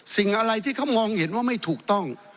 สิ่งอะไรที่เขามองเห็นว่าไม่ถูกต้อง